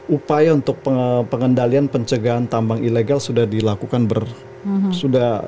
upaya untuk pengendalian pencegahan tambang ilegal sudah dilakukan sudah